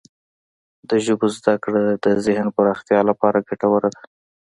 د ژبو زده کړه د ذهن پراختیا لپاره ګټوره ده.